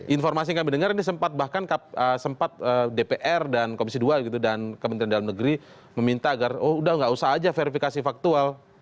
informasi yang kami dengar ini sempat bahkan sempat dpr dan komisi dua gitu dan kementerian dalam negeri meminta agar oh udah nggak usah aja verifikasi faktual